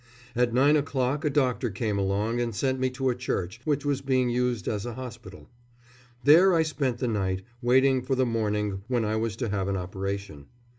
At nine o'clock a doctor came along and sent me to a church, which was being used as a hospital. There I spent the night, waiting for the morning, when I was to have an operation.